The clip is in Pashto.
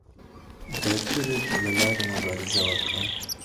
ده د تورې له لارې هم مبارزه وکړه